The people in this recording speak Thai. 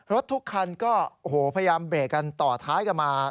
รถทุกคันก็โอ้โหพยายามเบรกกันต่อท้ายกันมา